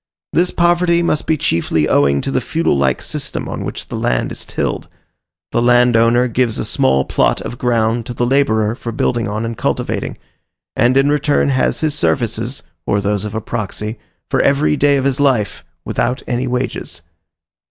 This poverty must be chiefly owing to the feudal like system on which the land is tilled: the landowner gives a small plot of ground to the labourer for building on and cultivating, and in return has his services (or those of a proxy) for every day of his life, without any wages.